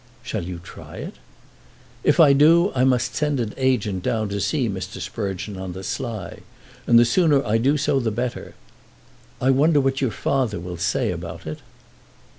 "Shall you try it?" "If I do I must send an agent down to see Mr. Sprugeon on the sly, and the sooner I do so the better. I wonder what your father will say about it?"